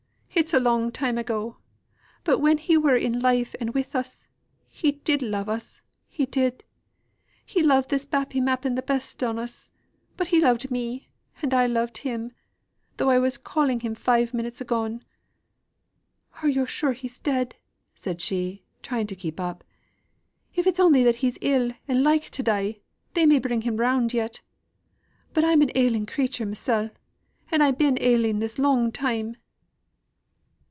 It's a long time ago; but when he were in life and with us he did love us, he did. He loved this babby mappen the best on us; but he loved me and I loved him, though I was calling him five minutes agone. Are yo' sure he's dead?" said she, trying to get up. "If it's only that he's ill and like to die, they may bring him round yet. I'm but an ailing creature mysel' I've been ailing this long time."